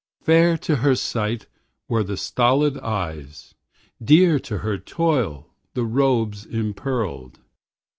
Fair to her sight were the stolid eyes, Dear to her toil the robes empearled.